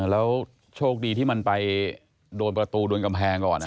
แล้วโชคดีที่มันไปโดนประตูโดนกำแพงก่อน